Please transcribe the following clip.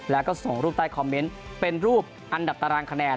แล้วก็ส่งรูปใต้คอมเมนต์เป็นรูปอันดับตารางคะแนน